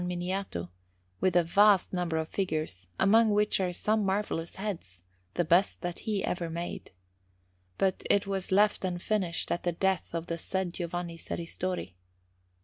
Miniato, with a vast number of figures, among which are some marvellous heads, the best that he ever made; but it was left unfinished at the death of the said Giovanni Serristori.